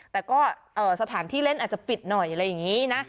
แต่ก็สถานที่เล่นอาจจะปิดหน่อยอะไรอย่างนี้นะ